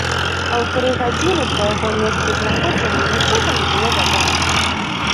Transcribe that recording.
Паўтары гадзіны пра яго месцазнаходжанне нічога не было вядома.